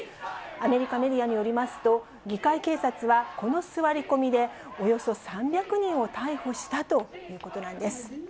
アメリカメディアによりますと、議会警察は、この座り込みで、およそ３００人を逮捕したということなんです。